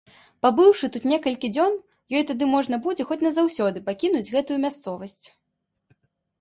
Пабыўшы тут некалькі дзён, ёй тады можна будзе хоць назаўсёды пакінуць гэтую мясцовасць.